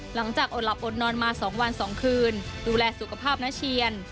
หลังจากอดหลับอดนอนมา๒วัน๒คืนดูแลสุขภาพน้าเชียน